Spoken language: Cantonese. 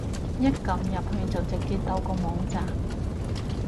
一撳入去就直接到個網站